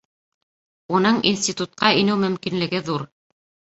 Уның институтҡа инеү мөмкинлеге ҙур